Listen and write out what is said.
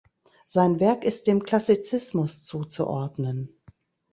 Sein Werk ist dem Klassizismus zuzuordnen.